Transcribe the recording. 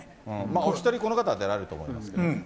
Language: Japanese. お１人この方は出られると思いますけど。